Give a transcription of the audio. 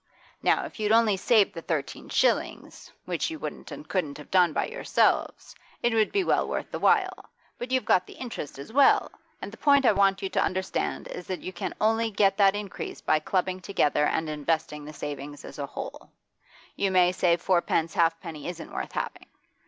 '"Now if you'd only saved the thirteen shillings which you wouldn't and couldn't have done by yourselves it would be well worth the while; but you've got the interest as well, and the point I want you to understand is that you can only get that increase by clubbing together and investing the savings as a whole. You may say fourpence halfpenny isn't worth having.